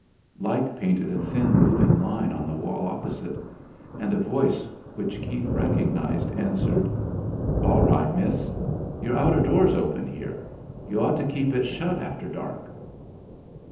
Light painted a thin moving line on the wall opposite, and a voice which Keith recognised answered: "All right, miss. Your outer door's open here. You ought to keep it shut after dark."